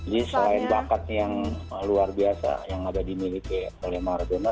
jadi selain bakat yang luar biasa yang ada dimiliki oleh maradona